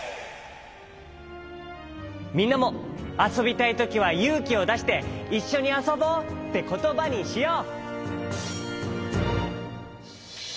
みんなもあそびたいときはゆうきをだして「いっしょにあそぼう」ってことばにしよう。